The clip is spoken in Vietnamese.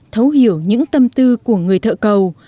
thấu hiểu những tâm tư của người thợ cầu